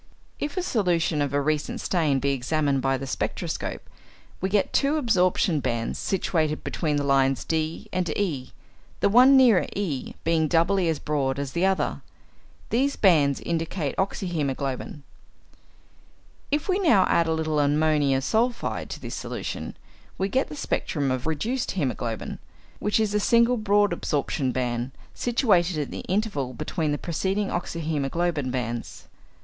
= If a solution of a recent stain be examined by the spectroscope, we get two absorption bands situated between the lines D and E, the one nearer E being doubly as broad as the other. These bands indicate oxyhæmoglobin. If we now add a little ammonium sulphide to this solution, we get the spectrum of reduced hæmoglobin, which is a single broad absorption band situated in the interval between the preceding oxyhæmoglobin bands.